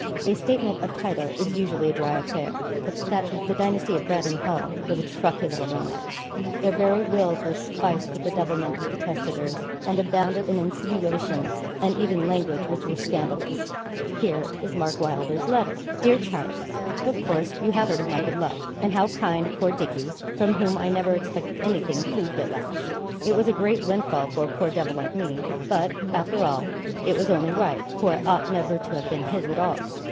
A 'statement of title' is usually a dry affair. But that of the dynasty of Brandon Hall was a truculent romance. Their very 'wills' were spiced with the devilment of the 'testators,' and abounded in insinuations and even language which were scandalous. Here is Mark Wylder's letter: 'DEAR CHARLES Of course you have heard of my good luck, and how kind poor Dickie from whom I never expected anything proved at last. It was a great windfall for a poor devil like me; but, after all, it was only right, for it ought never to have been his at all.